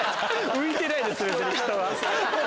浮いてないですよ人は。